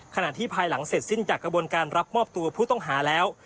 ขณะที่ภายหลังเสร็จสิ้นจากกระบวนการรับมอบตัวผู้ต้องหาแล้ว